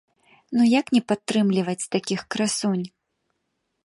Ну як не падтрымліваць такіх красунь?!